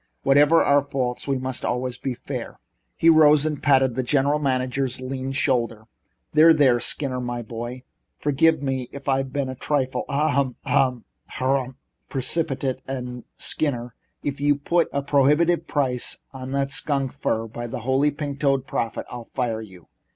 Whatever our faults we must always be fair." He rose and patted the general manager's lean shoulder. "There, there, Skinner, my boy. Forgive me if I've been a trifle ah ahem! precipitate and er harumph h h! Skinner, if you put a prohibitive price on that skunk fir, by the Holy Pink toed Prophet, I'll fire you!